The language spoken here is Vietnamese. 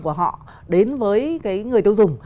của họ đến với cái người tiêu dùng